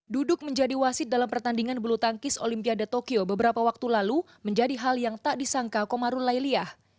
duduk menjadi wasit dalam pertandingan bulu tangkis olimpiade tokyo beberapa waktu lalu menjadi hal yang tak disangka komaru lailiah